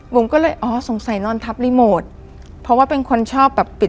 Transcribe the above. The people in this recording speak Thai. ผมก็เลยอ๋อสงสัยนอนทับรีโมทเพราะว่าเป็นคนชอบแบบปิด